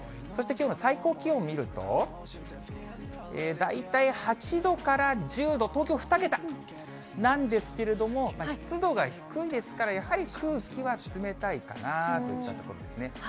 そして、きょうの最高気温を見ると、大体８度から１０度、東京２桁なんですけれども、湿度が低いですから、やはり空気は冷たいかなといったところですね。